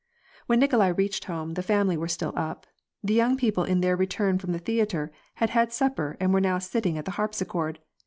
When Nikolai reached home, the family were still up. The young people on their return from the theatre had had supper, and were now sitting at the harpsichord.